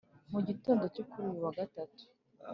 mu gitondo cyo kuri uyu wa gatanu